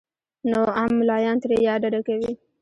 نو عام ملايان ترې يا ډډه کوي